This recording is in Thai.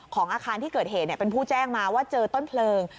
อาคารที่เกิดเหตุเป็นผู้แจ้งมาว่าเจอต้นเพลิง